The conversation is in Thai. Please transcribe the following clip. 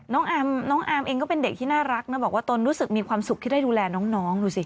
น้องอาร์มเองก็เป็นเด็กที่น่ารักนะบอกว่าตนรู้สึกมีความสุขที่ได้ดูแลน้องดูสิ